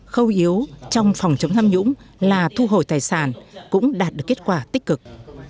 khâu yếu trong phòng chống tham nhũng là thu hồi tài sản cũng đạt được kết quả tích cực